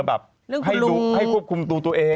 เรื่องพลุงให้ควบคุมตัวตัวเอง